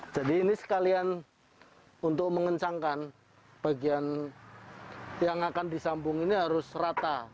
jadi ini sekalian untuk mengencangkan bagian yang akan disambung ini harus rata